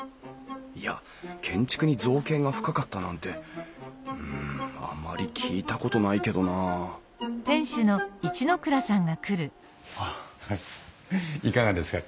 いや建築に造詣が深かったなんてうんあまり聞いたことないけどなあいかがですか？